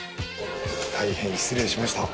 大変失礼しました。